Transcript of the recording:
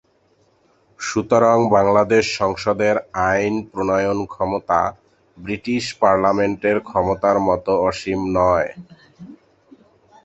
সুতরাং বাংলাদেশ সংসদের আইন প্রণয়ন ক্ষমতা ব্রিটিশ পার্লামেন্টের ক্ষমতার মতো অসীম নয়।